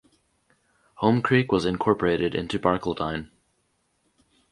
Home Creek was incorporated into Barcaldine.